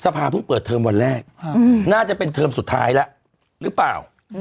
พาเพิ่งเปิดเทอมวันแรกน่าจะเป็นเทอมสุดท้ายแล้วหรือเปล่า